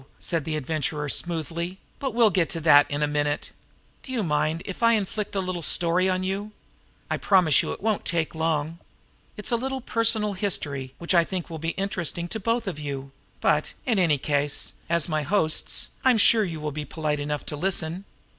said the Adventurer smoothly. "But we'll get to that in a minute. Do you mind if I inflict a little story on you? I promise you it won't take long. It's a little personal history which I think will be interesting to you both; but, in any case, as my hosts, I am sure you will be polite enough to listen.